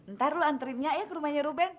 ntar lu antrinya ya ke rumahnya ruben